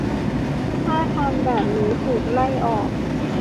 ถ้าทำแบบนี้ ถูกไล่ออก